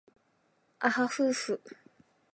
あはふうふ